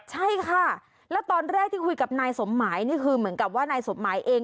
ใช่ค่ะแล้วตอนแรกที่คุยกับนายสมหมายนี่คือเหมือนกับว่านายสมหมายเอง